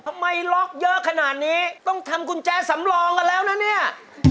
ล็อกเยอะขนาดนี้ต้องทำกุญแจสำรองกันแล้วนะเนี่ย